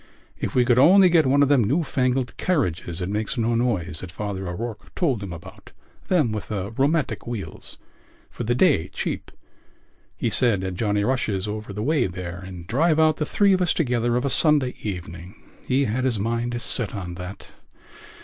If we could only get one of them new fangled carriages that makes no noise that Father O'Rourke told him about, them with the rheumatic wheels, for the day cheap—he said, at Johnny Rush's over the way there and drive out the three of us together of a Sunday evening. He had his mind set on that....